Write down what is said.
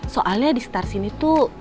soalnya di star sini tuh